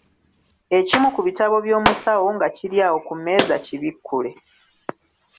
Ekimu ku bitabo by'Omusawo nga kiri awo ku mmeeza kibikkule.